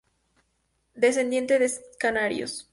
Descendiente de canarios.